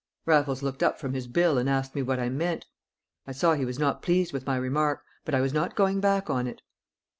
Raffles looked up from his bill and asked me what I meant. I saw he was not pleased with my remark, but I was not going back on it.